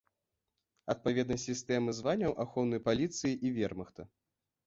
Адпаведнасць сістэмы званняў ахоўнай паліцыі і вермахта.